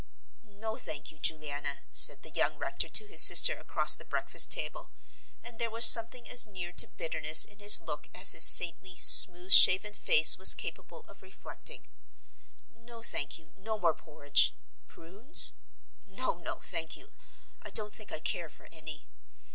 "No, thank you, Juliana," said the young rector to his sister across the breakfast table and there was something as near to bitterness in his look as his saintly, smooth shaven face was capable of reflecting "no, thank you, no more porridge. Prunes? no, no, thank you; I don't think I care for any.